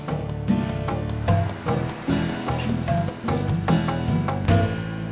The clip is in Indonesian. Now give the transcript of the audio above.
mau tau aja